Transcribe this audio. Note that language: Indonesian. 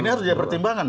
ini harus jadi pertimbangan